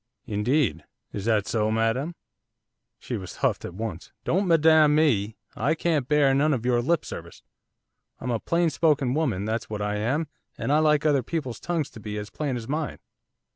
'Indeed. Is that so, madam?' She was huffed at once. 'Don't madam me, I can't bear none of your lip service. I'm a plain spoken woman, that's what I am, and I like other people's tongues to be as plain as mine.